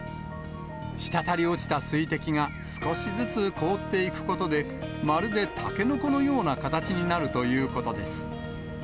滴り落ちた水滴が少しずつ凍っていくことで、まるでタケノコのような形になるということです。